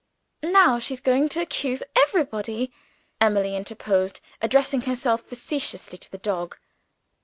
"Now she's going to accuse everybody!" Emily interposed, addressing herself facetiously to the dog.